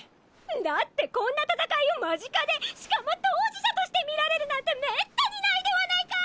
だってこんな戦いを間近でしかも当事者として見られるなんて滅多にないではないかっ！